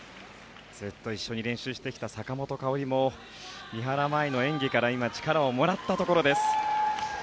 ずっと一緒に練習してきた坂本花織も三原舞依の演技から今、力をもらったところです。